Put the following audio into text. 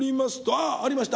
あっありました！